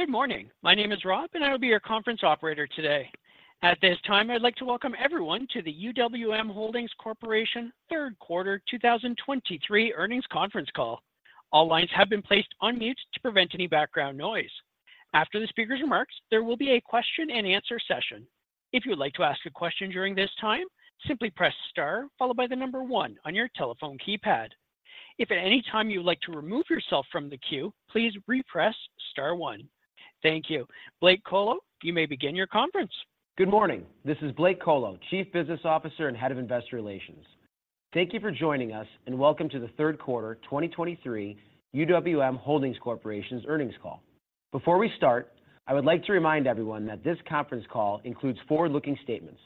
Good morning. My name is Rob, and I will be your conference operator today. At this time, I'd like to welcome everyone to the UWM Holdings Corporation third quarter 2023 earnings conference call. All lines have been placed on mute to prevent any background noise. After the speaker's remarks, there will be a question-and-answer session. If you would like to ask a question during this time, simply press star followed by the number one on your telephone keypad. If at any time you would like to remove yourself from the queue, please repress star one. Thank you. Blake Kolo, you may begin your conference. Good morning. This is Blake Kolo, Chief Business Officer and Head of Investor Relations. Thank you for joining us, and welcome to the third quarter 2023 UWM Holdings Corporation's earnings call. Before we start, I would like to remind everyone that this conference call includes forward-looking statements.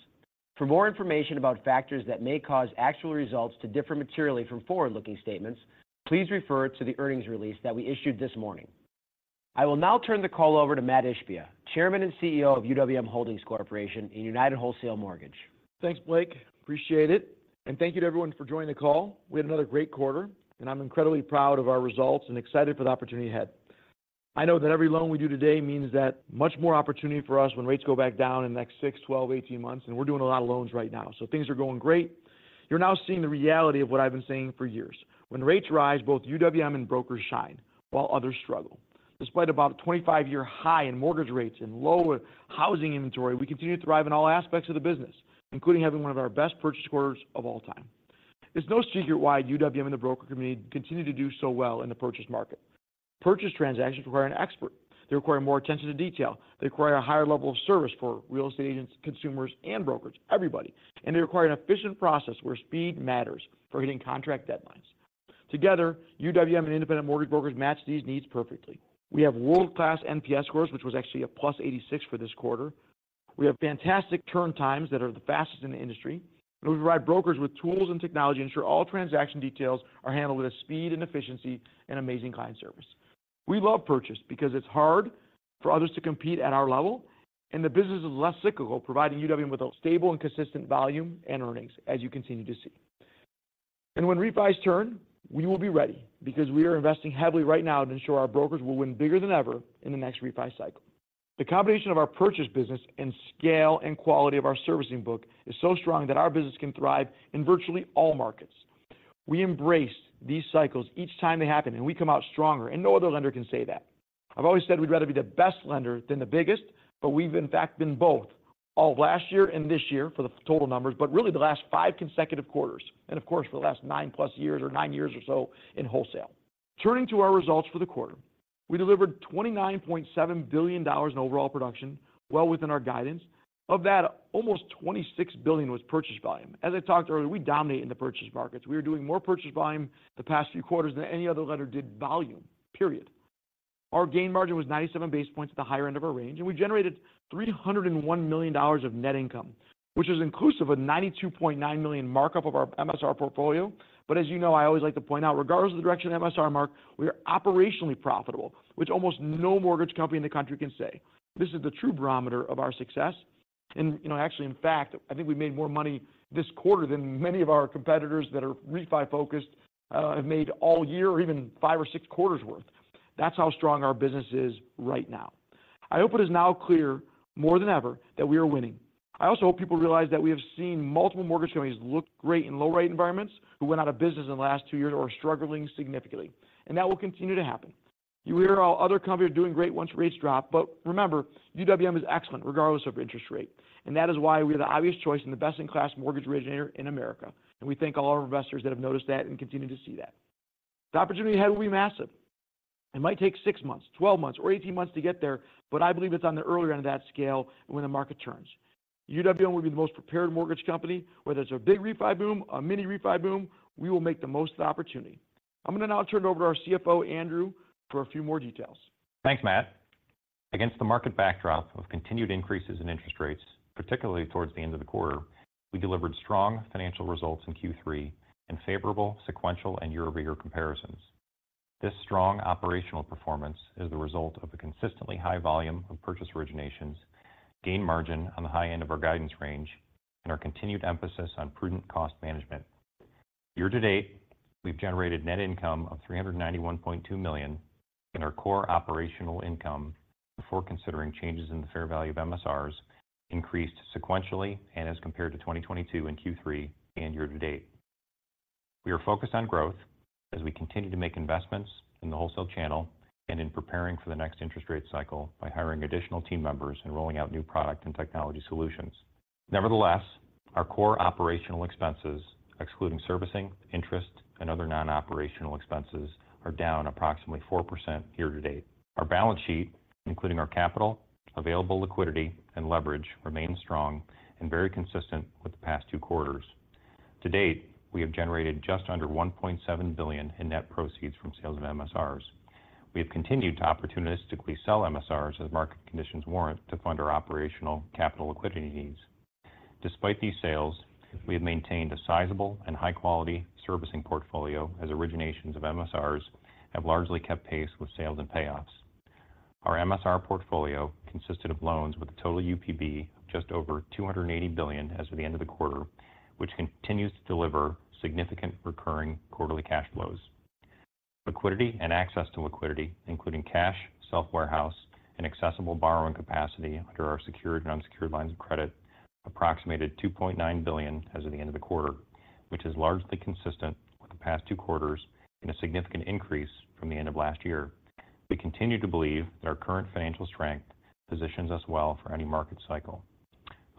For more information about factors that may cause actual results to differ materially from forward-looking statements, please refer to the earnings release that we issued this morning. I will now turn the call over to Mat Ishbia, Chairman and CEO of UWM Holdings Corporation and United Wholesale Mortgage. Thanks, Blake. Appreciate it, and thank you to everyone for joining the call. We had another great quarter, and I'm incredibly proud of our results and excited for the opportunity ahead. I know that every loan we do today means that much more opportunity for us when rates go back down in the next 6, 12, 18 months, and we're doing a lot of loans right now, so things are going great. You're now seeing the reality of what I've been saying for years. When rates rise, both UWM and brokers shine while others struggle. Despite about a 25-year high in mortgage rates and low housing inventory, we continue to thrive in all aspects of the business, including having one of our best purchase quarters of all time. It's no secret why UWM and the broker community continue to do so well in the purchase market. Purchase transactions require an expert. They require more attention to detail. They require a higher level of service for real estate agents, consumers, and brokers, everybody, and they require an efficient process where speed matters for hitting contract deadlines. Together, UWM and independent mortgage brokers match these needs perfectly. We have world-class NPS scores, which was actually a +86 for this quarter. We have fantastic turn times that are the fastest in the industry, and we provide brokers with tools and technology, ensure all transaction details are handled with speed and efficiency and amazing client service. We love purchase because it's hard for others to compete at our level, and the business is less cyclical, providing UWM with a stable and consistent volume and earnings, as you continue to see. When refis turn, we will be ready because we are investing heavily right now to ensure our brokers will win bigger than ever in the next refi cycle. The combination of our purchase business and scale and quality of our servicing book is so strong that our business can thrive in virtually all markets. We embrace these cycles each time they happen, and we come out stronger, and no other lender can say that. I've always said we'd rather be the best lender than the biggest, but we've in fact been both all last year and this year for the total numbers, but really the last five consecutive quarters, and of course, for the last nine-plus years or nine years or so in wholesale. Turning to our results for the quarter, we delivered $29.7 billion in overall production, well within our guidance. Of that, almost $26 billion was purchase volume. As I talked earlier, we dominate in the purchase markets. We are doing more purchase volume the past few quarters than any other lender did volume, period. Our gain margin was 97 basis points at the higher end of our range, and we generated $301 million of net income, which is inclusive of $92.9 million markup of our MSR portfolio. But as you know, I always like to point out, regardless of the direction of the MSR mark, we are operationally profitable, which almost no mortgage company in the country can say. This is the true barometer of our success, and, you know, actually, in fact, I think we made more money this quarter than many of our competitors that are refi-focused have made all year or even five or six quarters worth. That's how strong our business is right now. I hope it is now clear more than ever that we are winning. I also hope people realize that we have seen multiple mortgage companies look great in low-rate environments who went out of business in the last 2 years or are struggling significantly, and that will continue to happen. You hear how other companies are doing great once rates drop, but remember, UWM is excellent regardless of interest rate, and that is why we are the obvious choice and the best-in-class mortgage originator in America. We thank all of our investors that have noticed that and continue to see that. The opportunity ahead will be massive. It might take 6 months, 12 months, or 18 months to get there, but I believe it's on the earlier end of that scale when the market turns. UWM will be the most prepared mortgage company. Whether it's a big refi boom, a mini refi boom, we will make the most of the opportunity. I'm going to now turn it over to our CFO, Andrew, for a few more details. Thanks, Mat. Against the market backdrop of continued increases in interest rates, particularly towards the end of the quarter, we delivered strong financial results in Q3 and favorable sequential and year-over-year comparisons. This strong operational performance is the result of a consistently high volume of purchase originations, gain margin on the high end of our guidance range, and our continued emphasis on prudent cost management. Year to date, we've generated net income of $391.2 million in our core operational income, before considering changes in the fair value of MSRs, increased sequentially and as compared to 2022 in Q3 and year to date. We are focused on growth as we continue to make investments in the wholesale channel and in preparing for the next interest rate cycle by hiring additional team members and rolling out new product and technology solutions. Nevertheless, our core operational expenses, excluding servicing, interest, and other non-operational expenses, are down approximately 4% year to date. Our balance sheet, including our capital, available liquidity, and leverage, remains strong and very consistent with the past two quarters. To date, we have generated just under $1.7 billion in net proceeds from sales of MSRs. We have continued to opportunistically sell MSRs as market conditions warrant to fund our operational capital liquidity needs. Despite these sales, we have maintained a sizable and high-quality servicing portfolio, as originations of MSRs have largely kept pace with sales and payoffs. Our MSR portfolio consisted of loans with a total UPB of just over $280 billion as of the end of the quarter, which continues to deliver significant recurring quarterly cash flows.... Liquidity and access to liquidity, including cash, self-warehouse, and accessible borrowing capacity under our secured and unsecured lines of credit, approximated $2.9 billion as of the end of the quarter, which is largely consistent with the past two quarters and a significant increase from the end of last year. We continue to believe that our current financial strength positions us well for any market cycle.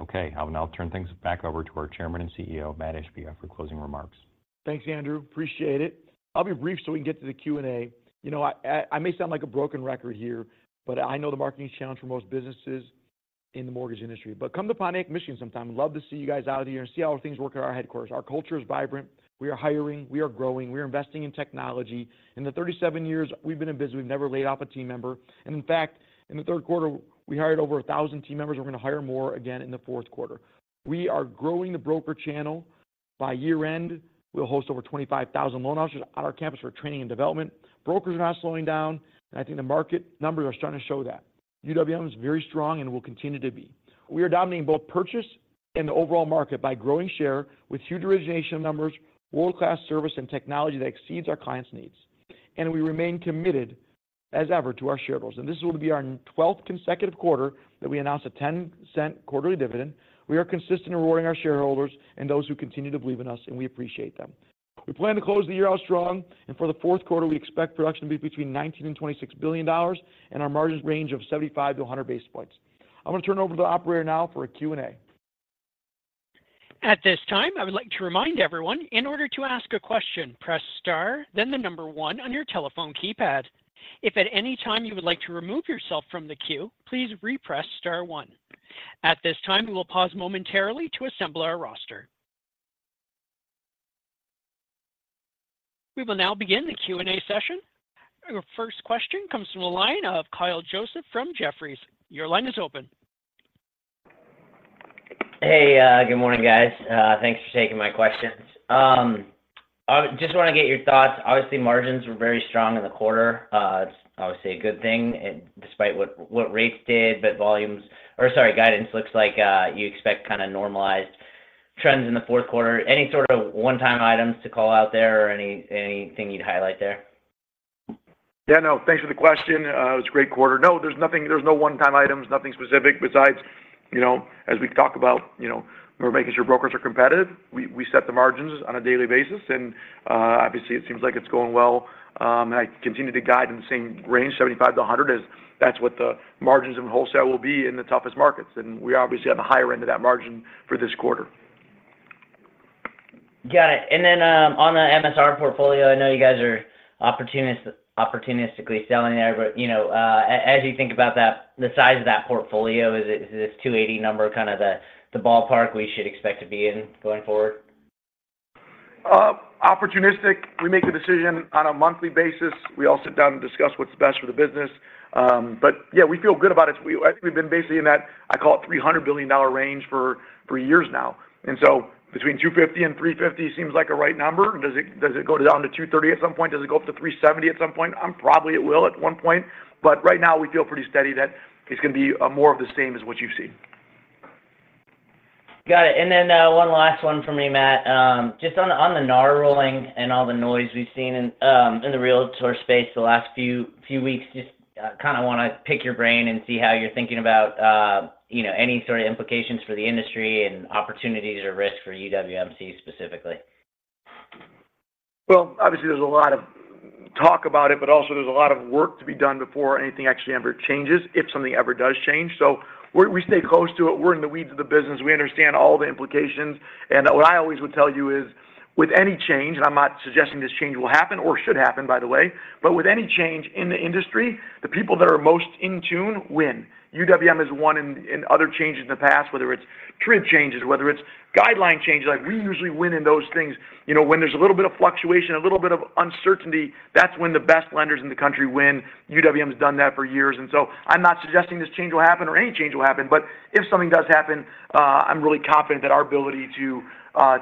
Okay, I'll now turn things back over to our Chairman and CEO, Mat Ishbia, for closing remarks. Thanks, Andrew. Appreciate it. I'll be brief so we can get to the Q&A. You know, I may sound like a broken record here, but I know the marketing challenge for most businesses in the mortgage industry. But come to Pontiac, Michigan, sometime. Love to see you guys out here and see how things work at our headquarters. Our culture is vibrant. We are hiring, we are growing, we are investing in technology. In the 37 years we've been in business, we've never laid off a team member. And in fact, in the third quarter, we hired over 1,000 team members. We're going to hire more again in the fourth quarter. We are growing the broker channel. By year-end, we'll host over 25,000 loan officers on our campus for training and development. Brokers are not slowing down, and I think the market numbers are starting to show that. UWM is very strong and will continue to be. We are dominating both purchase and the overall market by growing share with huge origination numbers, world-class service, and technology that exceeds our clients' needs. We remain committed as ever to our shareholders, and this will be our twelfth consecutive quarter that we announce a $0.10 quarterly dividend. We are consistent in rewarding our shareholders and those who continue to believe in us, and we appreciate them. We plan to close the year out strong, and for the fourth quarter, we expect production to be between $19 billion and $26 billion, and our margins range of 75-100 basis points. I'm going to turn it over to the operator now for a Q&A. At this time, I would like to remind everyone, in order to ask a question, press Star, then the number one on your telephone keypad. If at any time you would like to remove yourself from the queue, please repress Star one. At this time, we will pause momentarily to assemble our roster. We will now begin the Q&A session. Your first question comes from the line of Kyle Joseph from Jefferies. Your line is open. Hey, good morning, guys. Thanks for taking my questions. I just want to get your thoughts. Obviously, margins were very strong in the quarter. It's obviously a good thing, and despite what rates did, but volumes, or sorry, guidance looks like you expect kind of normalized trends in the fourth quarter. Any sort of one-time items to call out there or anything you'd highlight there? Yeah, no. Thanks for the question. It's a great quarter. No, there's nothing—there's no one-time items, nothing specific besides, you know, as we talk about, you know, we're making sure brokers are competitive. We set the margins on a daily basis, and obviously, it seems like it's going well. And I continue to guide in the same range, 75-100, as that's what the margins in wholesale will be in the toughest markets, and we obviously have a higher end of that margin for this quarter. Got it. And then, on the MSR portfolio, I know you guys are opportunistically selling there, but, you know, as you think about that, the size of that portfolio, is it, is this 280 number kind of the, the ballpark we should expect to be in going forward? Opportunistic, we make a decision on a monthly basis. We all sit down and discuss what's best for the business. But yeah, we feel good about it. We, I think we've been basically in that, I call it $300 billion range for three years now, and so between $250 billion and $350 billion seems like a right number. Does it, does it go down to $230 billion at some point? Does it go up to $370 billion at some point? Probably it will at one point, but right now we feel pretty steady that it's going to be, more of the same as what you've seen. Got it. And then, one last one for me, Mat. Just on the NAR ruling and all the noise we've seen in the Realtor space the last few weeks, just kind of want to pick your brain and see how you're thinking about, you know, any sort of implications for the industry and opportunities or risks for UWMC specifically. Well, obviously there's a lot of talk about it, but also there's a lot of work to be done before anything actually ever changes, if something ever does change. So we stay close to it. We're in the weeds of the business. We understand all the implications. And what I always would tell you is, with any change, and I'm not suggesting this change will happen or should happen, by the way, but with any change in the industry, the people that are most in tune win. UWM has won in other changes in the past, whether it's TRID changes, whether it's guideline changes, like, we usually win in those things. You know, when there's a little bit of fluctuation, a little bit of uncertainty, that's when the best lenders in the country win. UWM's done that for years, and so I'm not suggesting this change will happen or any change will happen, but if something does happen, I'm really confident that our ability to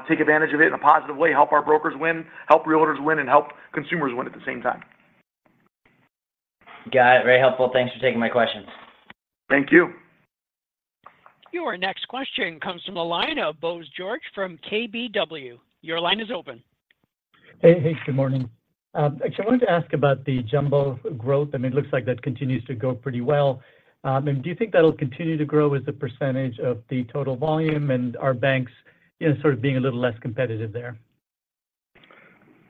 take advantage of it in a positive way, help our brokers win, help Realtors win, and help consumers win at the same time. Got it. Very helpful. Thanks for taking my questions. Thank you. Your next question comes from the line of Bose George from KBW. Your line is open. Hey, hey, good morning. Actually, I wanted to ask about the jumbo growth. I mean, it looks like that continues to go pretty well. And do you think that'll continue to grow as a percentage of the total volume, and are banks, you know, sort of being a little less competitive there?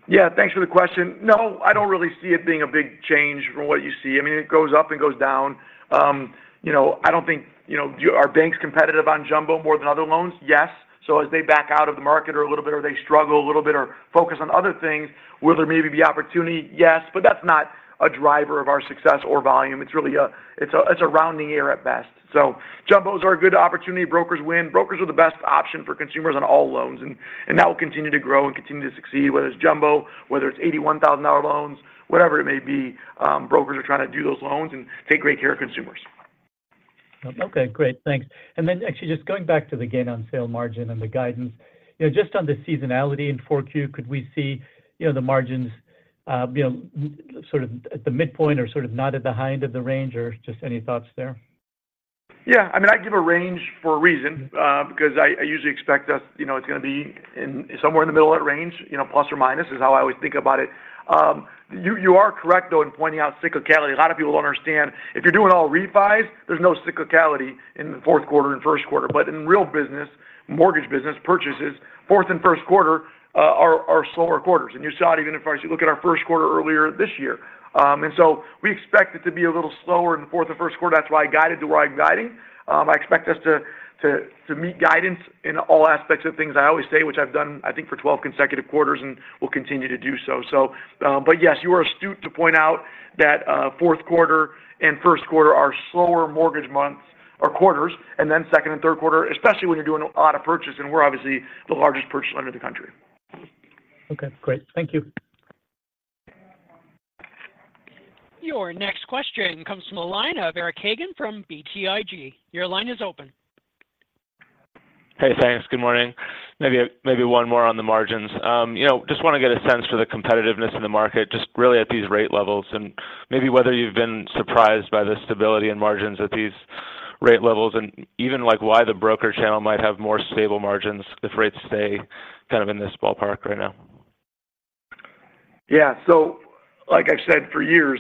Yeah, thanks for the question. No, I don't really see it being a big change from what you see. I mean, it goes up and goes down. You know, I don't think, you know, are banks competitive on jumbo more than other loans? Yes. So as they back out of the market or a little bit, or they struggle a little bit or focus on other things, will there may be the opportunity? Yes, but that's not a driver of our success or volume. It's really a, it's a rounding error at best. So jumbos are a good opportunity. Brokers win. Brokers are the best option for consumers on all loans, and that will continue to grow and continue to succeed, whether it's jumbo, whether it's $81,000 loans, whatever it may be, brokers are trying to do those loans and take great care of consumers. Okay, great. Thanks. And then actually, just going back to the gain on sale margin and the guidance, you know, just on the seasonality in Q4, could we see, you know, the margins, you know, sort of at the midpoint or sort of not at the high end of the range, or just any thoughts there?... Yeah, I mean, I give a range for a reason, because I, I usually expect us, you know, it's gonna be in somewhere in the middle of that range, you know, plus or minus, is how I always think about it. You, you are correct, though, in pointing out cyclicality. A lot of people don't understand, if you're doing all refis, there's no cyclicality in the fourth quarter and first quarter. But in real business, mortgage business, purchases, fourth and first quarter, are, are slower quarters. And you saw it even as far as you look at our first quarter earlier this year. And so we expect it to be a little slower in the fourth or first quarter. That's why I guided to where I'm guiding. I expect us to, to, to meet guidance in all aspects of things. I always say, which I've done, I think, for 12 consecutive quarters, and will continue to do so. So, but yes, you are astute to point out that, fourth quarter and first quarter are slower mortgage months or quarters, and then second and third quarter, especially when you're doing a lot of purchase, and we're obviously the largest purchaser in the country. Okay, great. Thank you. Your next question comes from the line of Eric Hagen from BTIG. Your line is open. Hey, thanks. Good morning. Maybe, maybe one more on the margins. You know, just wanna get a sense for the competitiveness in the market, just really at these rate levels, and maybe whether you've been surprised by the stability in margins at these rate levels, and even, like, why the broker channel might have more stable margins if rates stay kind of in this ballpark right now. Yeah. So like I've said for years,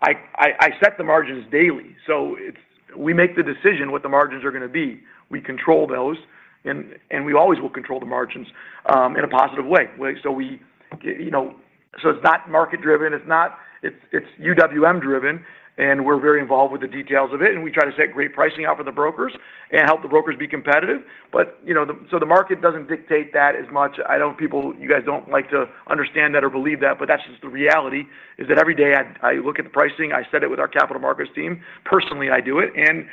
I set the margins daily, so it's we make the decision what the margins are gonna be. We control those, and we always will control the margins in a positive way. So we, you know. So it's not market driven, it's not. It's UWM driven, and we're very involved with the details of it, and we try to set great pricing out for the brokers and help the brokers be competitive. But, you know, so the market doesn't dictate that as much. I know people, you guys don't like to understand that or believe that, but that's just the reality, is that every day I look at the pricing, I set it with our capital markets team. Personally, I do it, and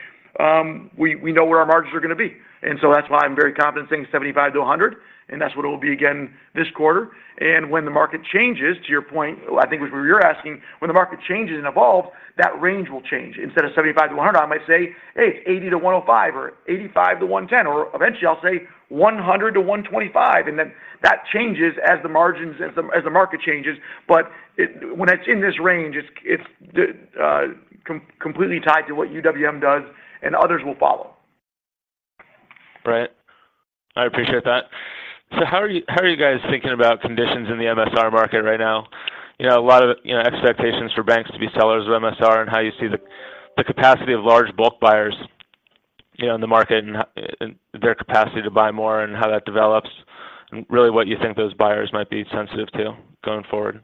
we know where our margins are gonna be. And so that's why I'm very confident saying 75-100, and that's what it'll be again this quarter. And when the market changes, to your point, I think what you're asking, when the market changes and evolves, that range will change. Instead of 75-100, I might say, "Hey, it's 80-105," or, "85-110," or eventually I'll say, "100-125." And then that changes as the margins, as the market changes. But it, when it's in this range, it's completely tied to what UWM does, and others will follow. Right. I appreciate that. So how are you, how are you guys thinking about conditions in the MSR market right now? You know, a lot of, you know, expectations for banks to be sellers of MSR and how you see the, the capacity of large block buyers, you know, in the market and and their capacity to buy more, and how that develops, and really, what you think those buyers might be sensitive to going forward?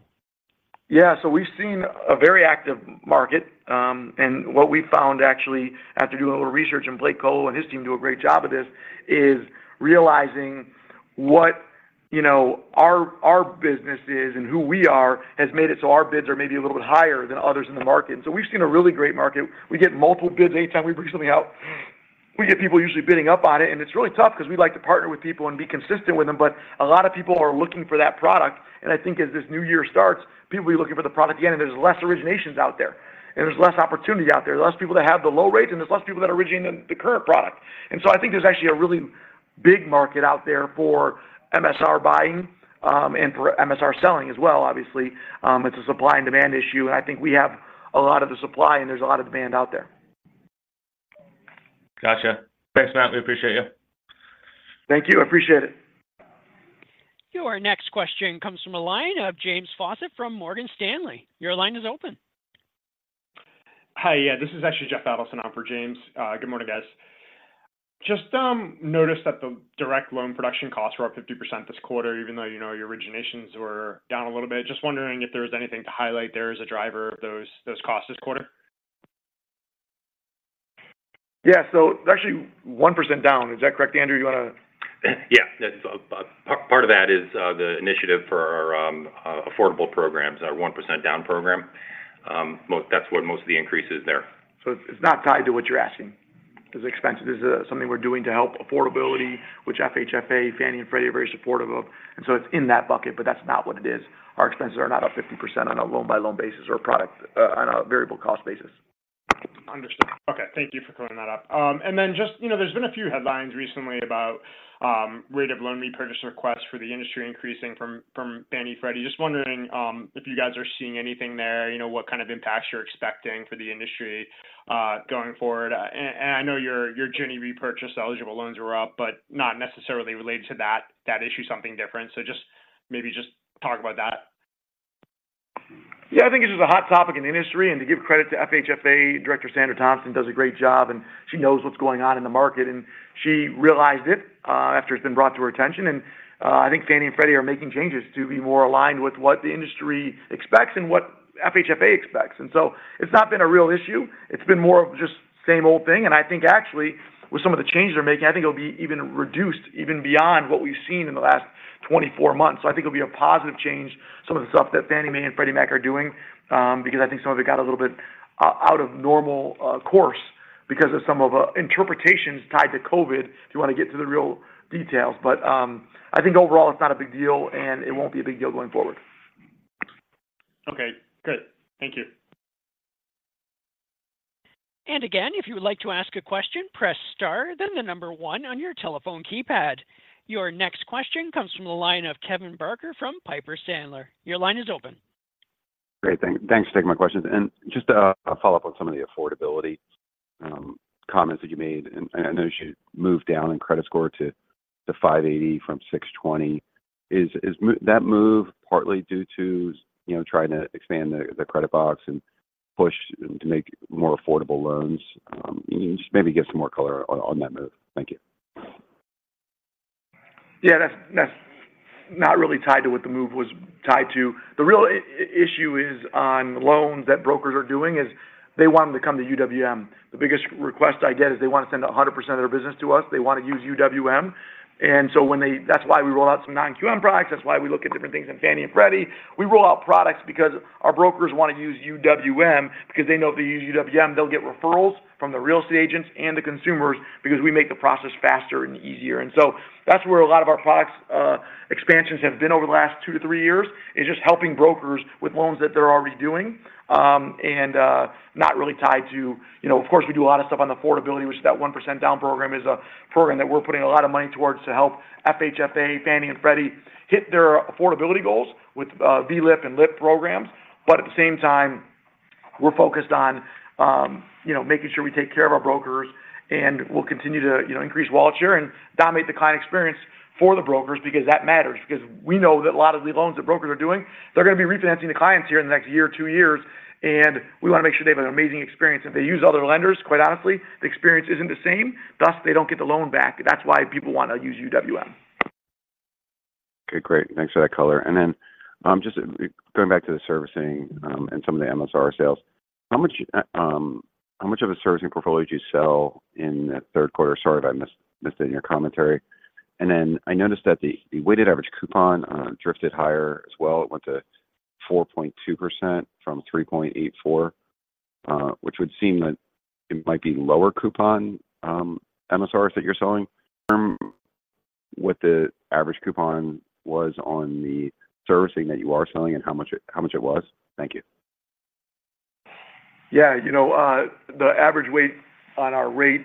Yeah, so we've seen a very active market. And what we found actually, after doing a little research, and Blake Kolo and his team do a great job of this, is realizing what, you know, our business is and who we are, has made it so our bids are maybe a little bit higher than others in the market. And so we've seen a really great market. We get multiple bids any time we bring something out. We get people usually bidding up on it, and it's really tough because we like to partner with people and be consistent with them, but a lot of people are looking for that product. I think as this new year starts, people will be looking for the product again, and there's less originations out there, and there's less opportunity out there, less people that have the low rate, and there's less people that are originating the current product. And so I think there's actually a really big market out there for MSR buying, and for MSR selling as well. Obviously, it's a supply and demand issue, and I think we have a lot of the supply, and there's a lot of demand out there. Gotcha. Thanks, Mat. We appreciate you. Thank you. I appreciate it. Your next question comes from a line of James Faucette from Morgan Stanley. Your line is open. Hi. Yeah, this is actually Jeff Adelson on for James. Good morning, guys. Just noticed that the direct loan production costs were up 50% this quarter, even though, you know, your originations were down a little bit. Just wondering if there was anything to highlight there as a driver of those, those costs this quarter? Yeah, so actually 1% Down. Is that correct, Andrew? You wanna- Yeah. That's part of that is the initiative for our affordable programs, our 1% Down program. Most – that's where most of the increase is there. So it's not tied to what you're asking. Because the expense is something we're doing to help affordability, which FHFA, Fannie and Freddie are very supportive of. So it's in that bucket, but that's not what it is. Our expenses are not up 50% on a loan-by-loan basis or product, on a variable cost basis. Understood. Okay, thank you for clearing that up. And then just, you know, there's been a few headlines recently about rate of loan repurchase requests for the industry increasing from Fannie and Freddie. Just wondering if you guys are seeing anything there, you know, what kind of impacts you're expecting for the industry going forward? And I know your Ginnie repurchase eligible loans were up, but not necessarily related to that issue, something different. So just maybe just talk about that. Yeah, I think it's just a hot topic in the industry, and to give credit to FHFA, Director Sandra Thompson does a great job, and she knows what's going on in the market, and she realized it after it's been brought to her attention. And I think Fannie and Freddie are making changes to be more aligned with what the industry expects and what FHFA expects. And so it's not been a real issue. It's been more of just same old thing, and I think actually, with some of the changes they're making, I think it'll be even reduced even beyond what we've seen in the last 24 months. So I think it'll be a positive change, some of the stuff that Fannie Mae and Freddie Mac are doing, because I think some of it got a little bit out of normal course, because of some of the interpretations tied to COVID, if you want to get to the real details. But, I think overall, it's not a big deal, and it won't be a big deal going forward. Okay, great. Thank you. And again, if you would like to ask a question, press star, then the number one on your telephone keypad. Your next question comes from the line of Kevin Barker from Piper Sandler. Your line is open.... Great, thanks for taking my questions. And just a follow-up on some of the affordability comments that you made. And I noticed you moved down in credit score to 580 from 620. Is that move partly due to, you know, trying to expand the credit box and push to make more affordable loans? Can you just maybe give some more color on that move? Thank you. Yeah, that's, that's not really tied to what the move was tied to. The real issue is on loans that brokers are doing, is they want them to come to UWM. The biggest request I get is they want to send 100% of their business to us. They want to use UWM. That's why we roll out some non-QM products. That's why we look at different things in Fannie and Freddie. We roll out products because our brokers want to use UWM, because they know if they use UWM, they'll get referrals from the real estate agents and the consumers, because we make the process faster and easier. And so that's where a lot of our products expansions have been over the last 2-3 years, is just helping brokers with loans that they're already doing. Not really tied to... You know, of course, we do a lot of stuff on affordability, which is that 1% Down program is a program that we're putting a lot of money towards to help FHFA, Fannie and Freddie hit their affordability goals with VLI and LI programs. But at the same time, we're focused on, you know, making sure we take care of our brokers, and we'll continue to, you know, increase wallet share and dominate the client experience for the brokers, because that matters. Because we know that a lot of the loans that brokers are doing, they're going to be refinancing the clients here in the next year or two years, and we want to make sure they have an amazing experience. If they use other lenders, quite honestly, the experience isn't the same, thus, they don't get the loan back. That's why people want to use UWM. Okay, great. Thanks for that color. And then, just going back to the servicing, and some of the MSR sales. How much, how much of a servicing portfolio did you sell in the third quarter? Sorry if I missed, missed it in your commentary. And then I noticed that the weighted average coupon drifted higher as well. It went to 4.2% from 3.84%, which would seem that it might be lower coupon MSRs that you're selling. What the average coupon was on the servicing that you are selling and how much it, how much it was? Thank you. Yeah, you know what? The average weight on our rates,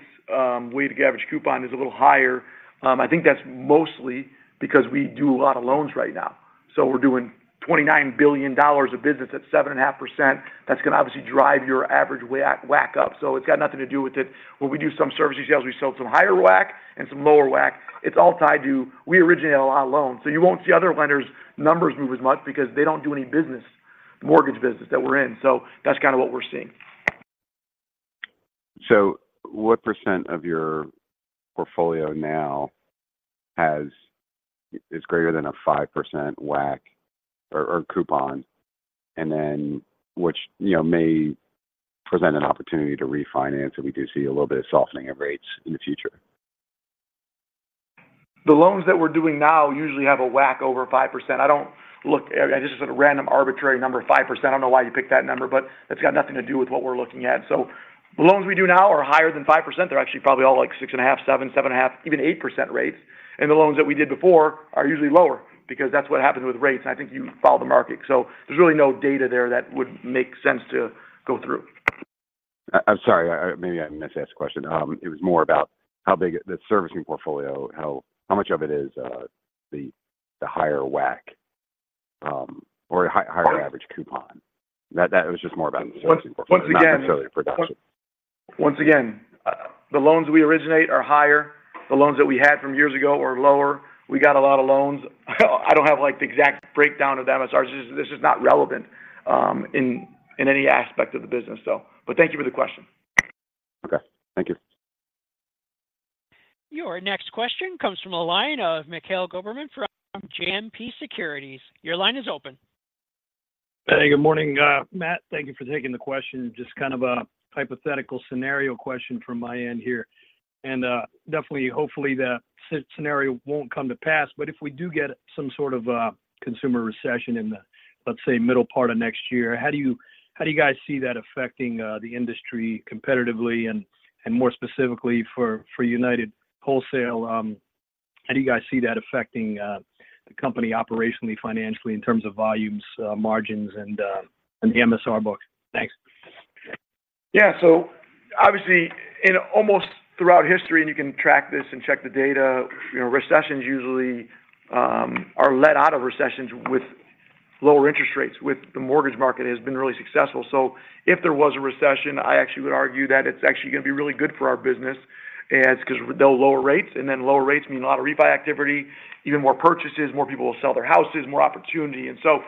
weighted average coupon is a little higher. I think that's mostly because we do a lot of loans right now. So we're doing $29 billion of business at 7.5%. That's going to obviously drive your average WAC, WAC up. So it's got nothing to do with it. When we do some servicing sales, we sell some higher WAC and some lower WAC. It's all tied to we originate a lot of loans, so you won't see other lenders' numbers move as much because they don't do any business, mortgage business that we're in. So that's kind of what we're seeing. So what percent of your portfolio now has greater than a 5% WAC or coupon, and then, which, you know, may present an opportunity to refinance if we do see a little bit of softening of rates in the future? The loans that we're doing now usually have a WAC over 5%. This is a random, arbitrary number, 5%. I don't know why you picked that number, but it's got nothing to do with what we're looking at. So the loans we do now are higher than 5%. They're actually probably all like 6.5, 7, 7.5, even 8% rates. And the loans that we did before are usually lower because that's what happens with rates. I think you follow the market, so there's really no data there that would make sense to go through. I'm sorry, maybe I missed the question. It was more about how big the servicing portfolio, how much of it is the higher WAC or higher average coupon? That was just more about- Once again- production. Once again, the loans we originate are higher. The loans that we had from years ago are lower. We got a lot of loans. I don't have, like, the exact breakdown of the MSRs. This is not relevant in any aspect of the business, so. But thank you for the question. Okay, thank you. Your next question comes from the line of Mikhail Goberman from JMP Securities. Your line is open. Hey, good morning, Mat. Thank you for taking the question. Just kind of a hypothetical scenario question from my end here. Definitely, hopefully, the scenario won't come to pass, but if we do get some sort of a consumer recession in the, let's say, middle part of next year, how do you, how do you guys see that affecting the industry competitively and, and more specifically, for, for United Wholesale, how do you guys see that affecting the company operationally, financially, in terms of volumes, margins, and the MSR book? Thanks. Yeah, so obviously, in almost throughout history, and you can track this and check the data, you know, recessions usually are let out of recessions with lower interest rates, with the mortgage market has been really successful. So if there was a recession, I actually would argue that it's actually going to be really good for our business. It's because they'll lower rates, and then lower rates mean a lot of refi activity, even more purchases, more people will sell their houses, more opportunity. So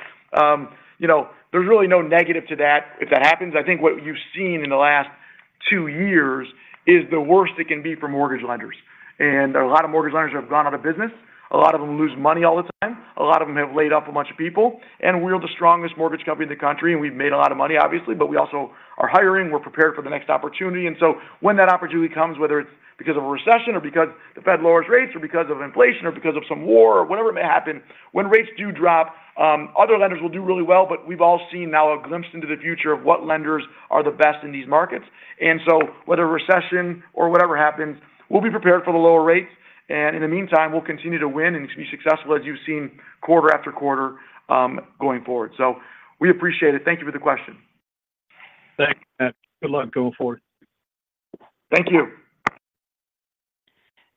you know, there's really no negative to that if that happens. I think what you've seen in the last two years is the worst it can be for mortgage lenders. There are a lot of mortgage lenders that have gone out of business. A lot of them lose money all the time. A lot of them have laid off a bunch of people. We're the strongest mortgage company in the country, and we've made a lot of money, obviously, but we also are hiring. We're prepared for the next opportunity. When that opportunity comes, whether it's because of a recession or because the Fed lowers rates or because of inflation or because of some war or whatever it may happen, when rates do drop, other lenders will do really well, but we've all seen now a glimpse into the future of what lenders are the best in these markets. Whether a recession or whatever happens, we'll be prepared for the lower rates, and in the meantime, we'll continue to win and be successful, as you've seen quarter after quarter, going forward. So we appreciate it. Thank you for the question. Thanks, Mat. Good luck going forward. Thank you.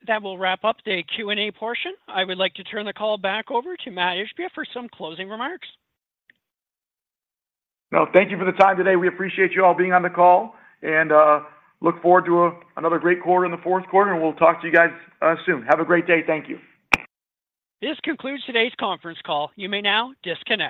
That will wrap up the Q&A portion. I would like to turn the call back over to Mat Ishbia for some closing remarks. Well, thank you for the time today. We appreciate you all being on the call, and look forward to another great quarter in the fourth quarter, and we'll talk to you guys soon. Have a great day. Thank you. This concludes today's conference call. You may now disconnect.